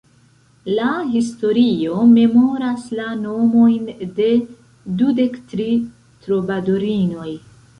La historio memoras la nomojn de dudek tri trobadorinoj.